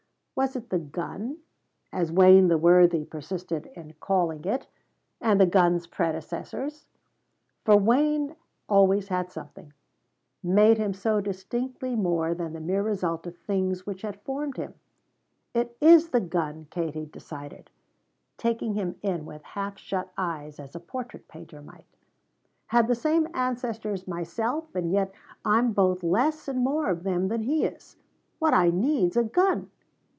Was it the gun as Wayne the Worthy persisted in calling it and the gun's predecessors for Wayne always had something made him so distinctly more than the mere result of things which had formed him? "It is the gun," Katie decided, taking him in with half shut eyes as a portrait painter might. "Had the same ancestors myself, and yet I'm both less and more of them than he is. What I need's a gun!